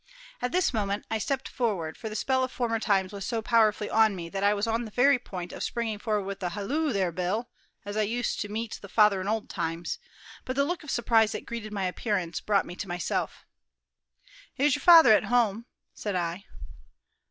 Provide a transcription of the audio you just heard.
At this moment I stepped forward, for the spell of former times was so powerfully on me, that I was on the very point of springing forward with a "Halloo, there, Bill!" as I used to meet the father in old times; but the look of surprise that greeted my appearance brought me to myself. "Is your father at home?" said I.